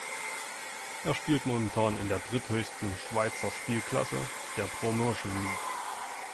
Er spielt momentan in der dritthöchsten Schweizer Spielklasse, der Promotion League.